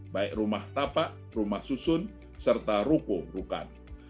baik rumah tapak rumah susun serta ruko rukan